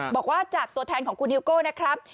บอกว่าจากตัวแทนของคุณฮิวโก้นะครับ